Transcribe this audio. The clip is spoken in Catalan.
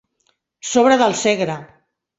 Sobre del Segre.